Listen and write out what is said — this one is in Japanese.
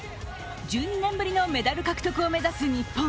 １２年ぶりのメダル獲得を目指す日本。